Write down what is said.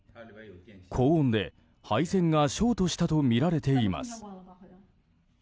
高温で配線がショートしたとみられています。